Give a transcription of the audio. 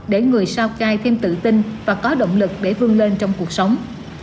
để người sao cai thêm tự tin và có động lực để vươn lên trong cuộc sống